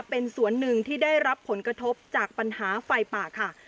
เป็นส่วนหนึ่งที่ได้รับผลกระทบจากปัญหาไฟป่าค่ะ